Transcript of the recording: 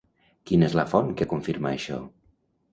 Quina és la font que confirma això?